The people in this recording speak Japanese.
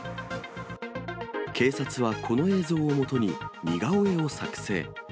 警察はこの映像を基に似顔絵を作成。